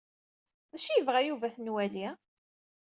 D acu i yebɣa Yuba ad t-nwali?